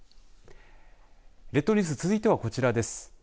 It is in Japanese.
列島ニュース続いてはこちらです。